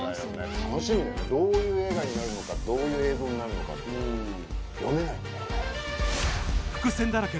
楽しみだよどういう映画になるのかどういう映像になるのか読めないからね。